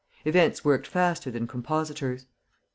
Events worked faster than compositors.